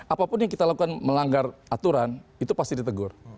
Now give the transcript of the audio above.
apapun yang kita lakukan melanggar aturan itu pasti ditegur